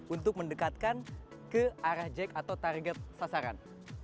untuk mendekatkan ke arah jack atau target sasaran